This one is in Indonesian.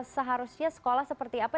seharusnya sekolah seperti apa